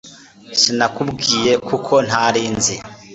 Sinakubwiye kuko ntari nzi